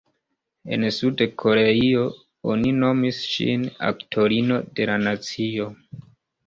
En Sud-Koreio oni nomis ŝin ""aktorino de la nacio"".